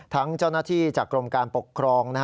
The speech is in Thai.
เจ้าหน้าที่จากกรมการปกครอง